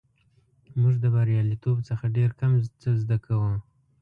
موږ د بریالیتوب څخه ډېر کم څه زده کوو.